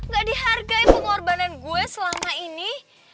gak dihargai pengorbanan gue selama ini